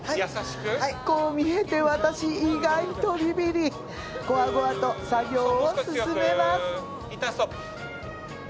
こう見えて私意外とビビリこわごわと作業を進めます